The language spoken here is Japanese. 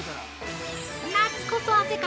夏こそ汗活！